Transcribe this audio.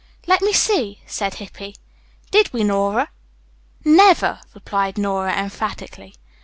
"Let me see," said Hippy. "Did we, Nora?" "Never," replied Nora emphatically.